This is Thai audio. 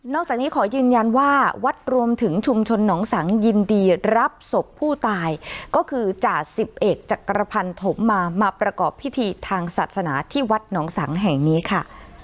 จากนี้ขอยืนยันว่าวัดรวมถึงชุมชนหนองสังยินดีรับศพผู้ตายก็คือจ่าสิบเอกจักรพันธมมามาประกอบพิธีทางศาสนาที่วัดหนองสังแห่งนี้ค่ะ